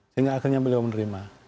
sehingga akhirnya beliau menerima